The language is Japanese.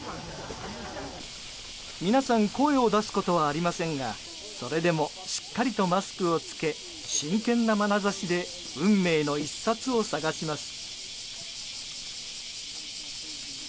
皆さん、声を出すことはありませんがそれでもしっかりとマスクを着け真剣なまなざしで運命の一冊を探します。